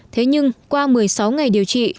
thế nhưng qua một mươi sáu ngày điều trị